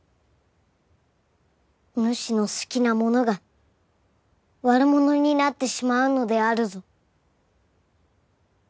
おぬしの好きな者が悪者になってしまうのであるぞ。